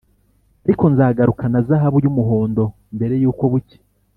ariko nzagaruka na zahabu y'umuhondo mbere yuko bucya;